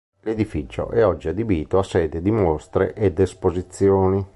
L'edificio è oggi adibito a sede di mostre ed esposizioni.